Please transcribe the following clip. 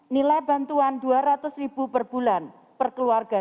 nilai bantuan rp dua ratus ribu per bulan per keluarga